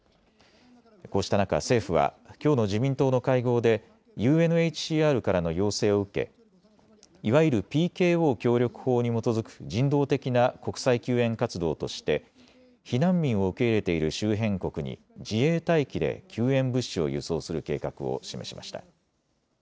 こうした中、政府はきょうの自民党の会合でＵＮＨＣＲからの要請を受けいわゆるＰＫＯ協力法に基づく人道的な国際救援活動として避難民を受け入れている周辺国に自衛隊機で救援物資を輸送する計画を示しました。